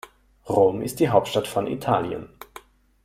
Rom ist die Hauptstadt von Italien.